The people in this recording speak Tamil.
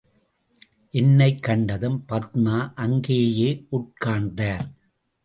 என்னைக் கண்டதும் பத்மா அங்கேயே உட்கார்ந்தார்.